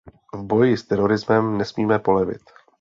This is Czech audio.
V boji s terorismem nesmíme polevit.